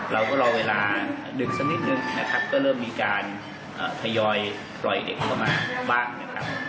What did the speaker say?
เราก็รอเวลาดึกสักนิดนึงนะครับก็เริ่มมีการทยอยปล่อยเด็กลงมาบ้างนะครับ